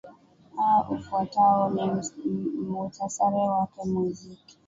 a ufuatao ni muhtasari wake muziki